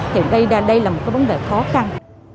thì đây là một cái vấn đề khó khăn